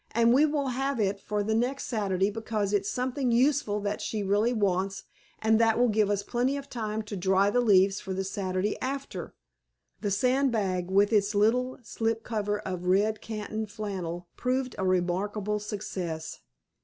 "And we will have it for next Saturday because it's something useful that she really wants, and that will give us plenty of time to dry the leaves for the Saturday after." The sand bag, with its little slip cover of red canton flannel, proved a remarkable success.